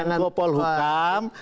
presiden dan gopol hukum